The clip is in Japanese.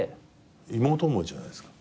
妹思いじゃないですか。